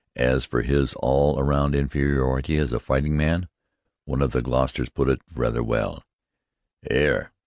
As for his all round inferiority as a fighting man, one of the Gloucesters put it rather well: "'Ere!